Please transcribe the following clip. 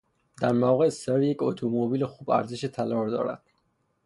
در مواقع اضطراری یک اتومبیل خوب ارزش طلا را دارد.